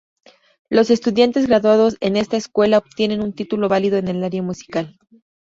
Los estudiantes graduados en esta escuela obtienen un título válido en el área musical.